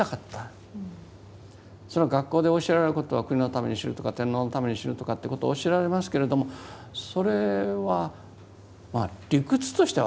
それは学校で教えられることは国のために死ぬとか天皇のために死ぬとかっていうことを教えられますけれどもそれはまあ理屈としては分かりますけどね。